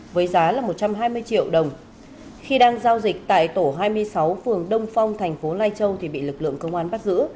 với giá là một trăm hai mươi triệu đồng khi đang giao dịch tại tổ hai mươi sáu phường đông phong thành phố lai châu thì bị lực lượng công an bắt giữ